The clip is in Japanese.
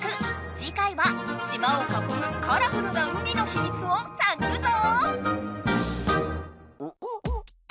次回は島をかこむカラフルな海のひみつをさぐるぞ！